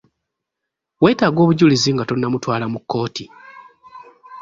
Wetaaga obujulizi nga tonnamutwala mu kkooti.